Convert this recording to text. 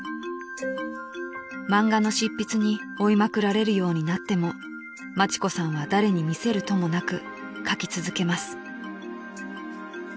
［漫画の執筆に追いまくられるようになっても町子さんは誰に見せるともなく描き続けます］